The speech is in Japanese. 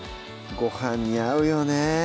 ご飯に合うよね